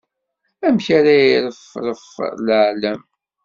Amek ara iṛefṛef leɛlam?